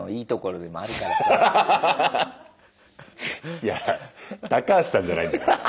いやタカハシさんじゃないんだからさ